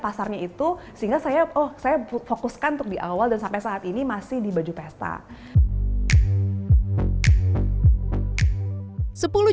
pasarnya itu sehingga saya oh saya fokuskan untuk diawal dan sampai saat ini masih di baju vesta